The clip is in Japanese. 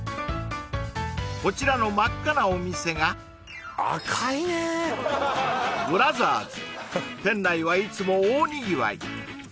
こちらの真っ赤なお店が店内はいつも大にぎわい